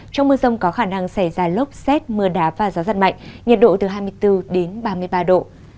trong mưa rông có khả năng xảy ra lốc xét mưa đá và gió giật mạnh nhiệt độ từ hai mươi bốn đến ba mươi ba độ